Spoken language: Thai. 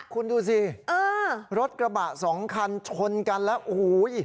คุณดูสิรถกระบะสองคันชนกันแล้วโอ้โห